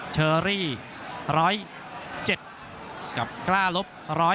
เชอรี่๑๐๗กล้าลบ๑๐๙